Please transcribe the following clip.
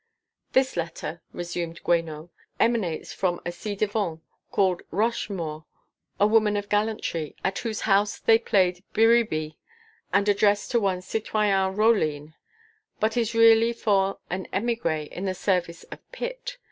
"This letter," resumed Guénot, "emanates from a ci devant called Rochemaure, a woman of gallantry, at whose house they played biribi, and is addressed to one citoyen Rauline; but is really for an émigré in the service of Pitt.